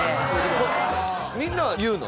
みんなは言うの？